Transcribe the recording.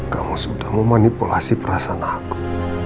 kamu sudah memanipulasi perasaan aku